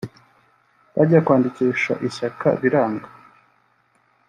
Bajya kwandikisha ishyaka biranga